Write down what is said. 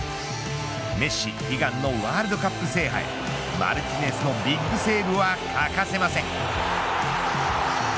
メッシ悲願のワールドカップ制覇へマルティネスのビッグセーブは欠かせません。